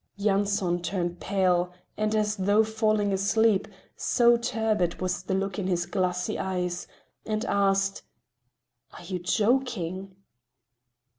Yanson turned pale, and as though falling asleep, so turbid was the look in his glassy eyes, asked: "Are you joking?"